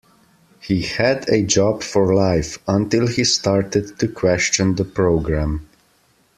He had a job for life, until he started to question the programme